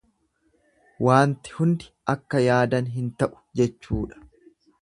Wanti hundi akka yaadan hin ta'u jechuudha.